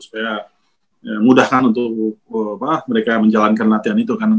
supaya mudahkan untuk mereka menjalankan latihan itu kan